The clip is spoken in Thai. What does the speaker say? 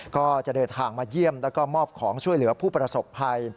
ก็จะเดินทางมาเยี่ยมแล้วก็มอบของช่วยเหลือผู้ประสบภัย